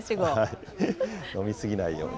飲み過ぎないように。